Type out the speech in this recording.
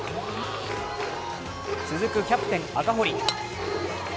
続くキャプテン・赤堀。